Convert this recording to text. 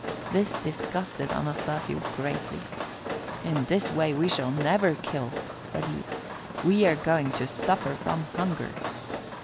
This disgusted Anastasio greatly. "In this way we shall never kill," said he. "We are going to suffer from hunger."